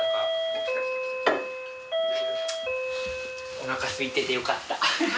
おなかすいててよかった。